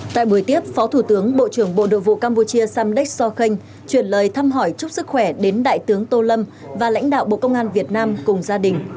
tại buổi tiếp phó thủ tướng bộ trưởng bộ nội vụ campuchia samdek sokhan chuyển lời thăm hỏi chúc sức khỏe đến đại tướng tô lâm và lãnh đạo bộ công an việt nam cùng gia đình